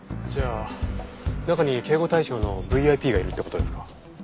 じゃあ中に警護対象のＶＩＰがいるって事ですか？